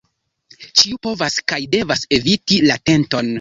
Ĉiu povas kaj devas eviti la tenton.